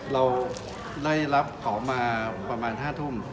เราได้รับเขามาประมาณ๕ทุ่ม